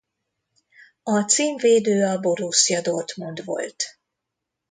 A címvédő a Borussia Dortmund volt.